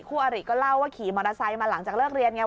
อาริก็เล่าว่าขี่มอเตอร์ไซค์มาหลังจากเลิกเรียนไง